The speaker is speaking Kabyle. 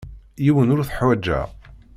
Yiwen ur t-ḥwajeɣ.